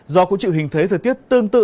do cũng chịu hình thế thời tiết tương tự